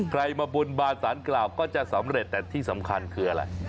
ใครมาบนบานสารกล่าวก็จะสำเร็จแต่ที่สำคัญคืออะไร